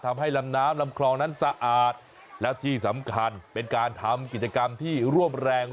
ทำให้ลำน้ำลำคลองนั้นสะอาดแล้วที่สำคัญเป็นการทำกิจกรรมที่ร่วมแรง